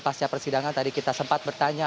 pasca persidangan tadi kita sempat bertanya